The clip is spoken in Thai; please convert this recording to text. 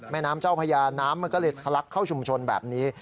แม่น้ำเจ้าพญาน้ำมันก็เลยทะลักเข้าชุมชนแบบนี้